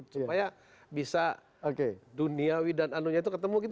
supaya bisa duniawi dan anunya itu ketemu gitu